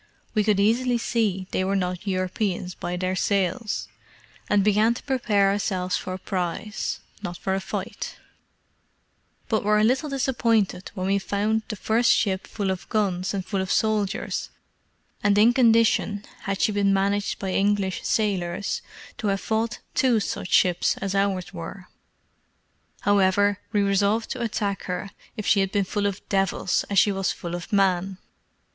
We could easily see they were not Europeans by their sails, and began to prepare ourselves for a prize, not for a fight; but were a little disappointed when we found the first ship full of guns and full of soldiers, and in condition, had she been managed by English sailors, to have fought two such ships as ours were. However, we resolved to attack her if she had been full of devils as she was full of men.